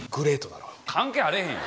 関係あれへんやん。